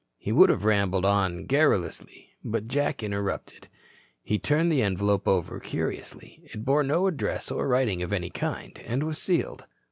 He would have rambled on garrulously, but Jack interrupted. He turned the envelope over curiously. It bore no address or writing of any kind, and was sealed.